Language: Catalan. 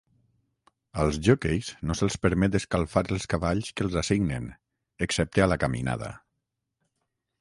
Als joqueis no se'ls permet escalfar els cavalls que els assignen, excepte a la caminada.